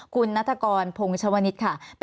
คุณนัทกรพลงชวนิต